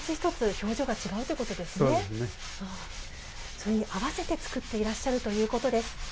それに合わせて作っていらっしゃるということです。